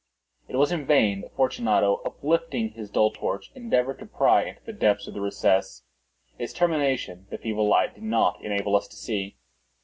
It was in vain that Fortunato, uplifting his dull torch, endeavored to pry into the depths of the recess. Its termination the feeble light did not enable us to see.